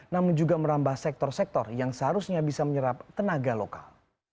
namun juga merambah sektor sektor yang seharusnya bisa menyerap tenaga lokal